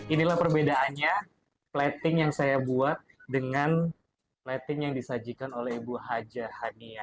inilah perbedaannya plating yang saya buat dengan plating yang disajikan oleh ibu haja hania